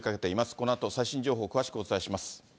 このあと最新情報を詳しくお伝えします。